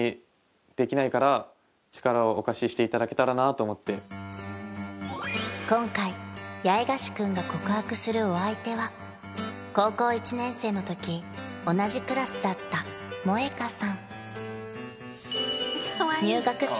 とりあえず今回八重樫君が告白するお相手は高校１年生のとき同じクラスだったもえかさん入学式